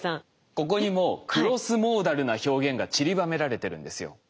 ここにもクロスモーダルな表現がちりばめられてるんですよ。